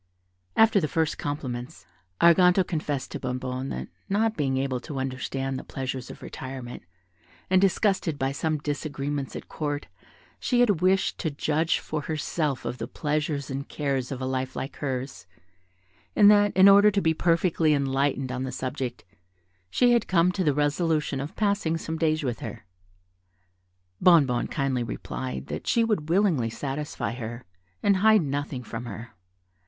After the first compliments, Arganto confessed to Bonnebonne that not being able to understand the pleasures of retirement, and disgusted by some disagreements at Court, she had wished to judge for herself of the pleasures and cares of a life like hers, and that, in order to be perfectly enlightened on the subject, she had come to the resolution of passing some days with her. Bonnebonne kindly replied that she would willingly satisfy her, and hide nothing from her.